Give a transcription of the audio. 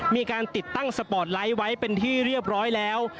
มีการติดตั้งสปอร์ตไลท์ไว้เป็นที่เรียบร้อยแล้ว